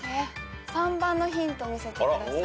３番のヒント見せてください。